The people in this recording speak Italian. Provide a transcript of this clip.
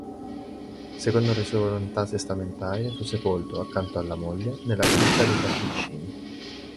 Secondo le sue volontà testamentarie fu sepolto, accanto alla moglie, nella cripta dei Cappuccini.